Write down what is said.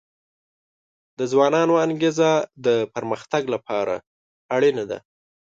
د ځوانانو انګیزه د پرمختګ لپاره اړینه ده.